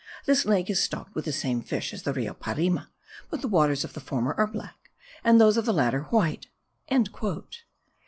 This lake is stocked with the same fish as the Rio Parima; but the waters of the former are black, and those of the latter white."